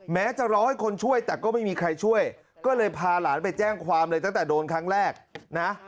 แม้จะรอให้คนช่วยแต่ก็ไม่มีใครช่วยก็เลยพาหลานไปแจ้งความเลยตั้งแต่โดนครั้งแรกนะ